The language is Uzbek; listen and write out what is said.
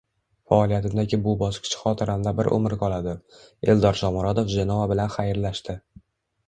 “Faoliyatimdagi bu bosqich xotiramda bir umr qoladi”. Eldor Shomurodov “Jenoa” bilan xayrlashdi